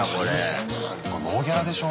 だってこれノーギャラでしょ？